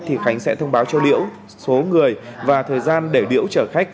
thì khánh sẽ thông báo cho liễu số người và thời gian để điễu chở khách